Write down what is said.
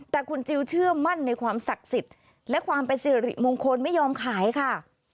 แต่คุณจิลเชื่อมั่นในความศักดิ์สิทธิ์และความเป็นสิริมงคลไม่ยอมขายค่ะ